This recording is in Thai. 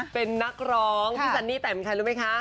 เป็นนักร้องพี่ซันนี่แต่เป็นใครรู้ไหมคะ